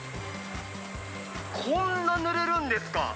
こんなにぬれるんですか。